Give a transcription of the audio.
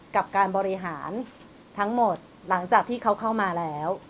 กับการบริหารทั้งหมดหลังจากที่เขาเข้ามาแล้ว